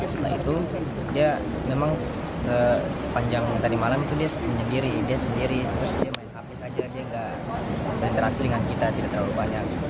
setelah itu dia memang sepanjang tadi malam itu dia menyendiri dia sendiri terus dia main api saja dia nggak berinteraksi dengan kita tidak terlalu banyak